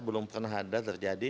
belum pernah ada terjadi